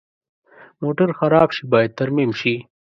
موټر خراب شي، باید ترمیم شي.